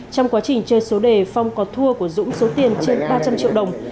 trong quá trình chơi số đề phong có thua của dũng số tiền trên ba trăm linh triệu đồng